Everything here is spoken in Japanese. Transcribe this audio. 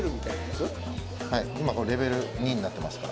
今これレベル２になってますから。